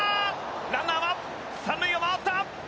ランナーは三塁を回った。